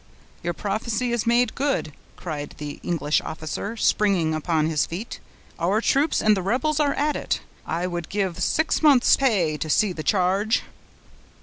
"Your prophecy is made good," cried the English officer, springing upon his feet. "Our troops and the rebels are at it! I would give six months' pay to see the charge."